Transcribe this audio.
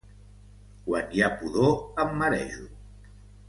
Quan hi ha pudor, em marejo.